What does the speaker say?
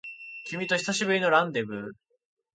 君と久しぶりのランデブー